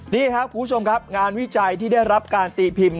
นี่ครับคุณผู้ชมครับงานวิจัยที่ได้รับการตีพิมพ์